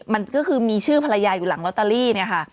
มันก็คือมีชื่อภรรยาอยู่หลังลอตเตอรี่เนี่ยค่ะ